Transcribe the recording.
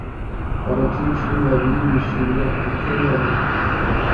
Abakecuru babiri bishimira igiterane